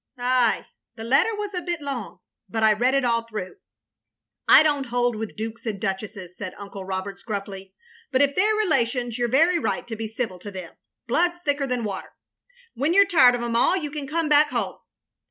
" "Ay; the letter was a bit long, but I read it all through. I don't hold with dtikes and duchesses," said Uncle Roberts, gruffly, "but if they 're relations, you 're very right to be civil to them. Blood *s thicker than water. When you 're tired of 'em all you can come back home.